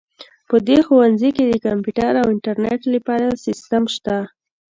په دې ښوونځي کې د کمپیوټر او انټرنیټ لپاره سیسټم شته